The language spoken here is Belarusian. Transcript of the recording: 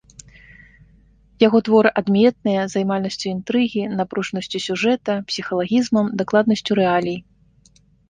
Яго творы адметныя займальнасцю інтрыгі, напружанасцю сюжэта, псіхалагізмам, дакладнасцю рэалій.